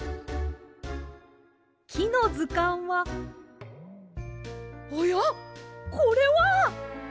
「きのずかん」はおやこれは！？